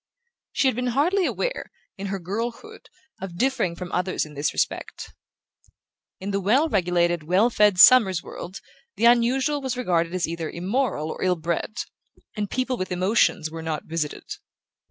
She had been hardly aware, in her girlhood, of differing from others in this respect. In the well regulated well fed Summers world the unusual was regarded as either immoral or ill bred, and people with emotions were not visited.